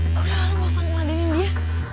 udah lah lu mau sama sama dengan dia